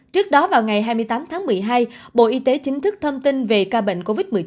trước đó vào ngày hai mươi tám tháng một mươi hai bộ y tế chính thức thông tin về ca bệnh covid một mươi chín